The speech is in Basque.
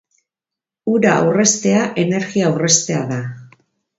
Ura aurreztea energia aurreztea da.